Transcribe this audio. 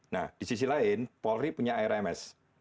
nah di sisi lain polri punya arms